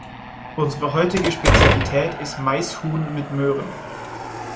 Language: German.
Unsere heutige Spezialität ist Maishuhn mit Möhren.